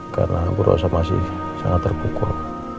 karena bu rosa masih sangat terpukul